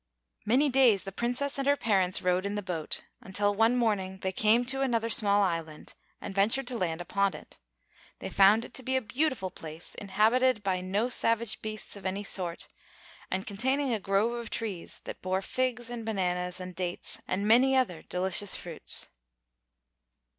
Many days the Princess and her parents rode in the boat, until one morning they came to another small island and ventured to land upon it. They found it to be a beautiful place, inhabited by no savage beasts of any sort, and containing a grove of trees that bore figs and bananas and dates and many other delicious fruits.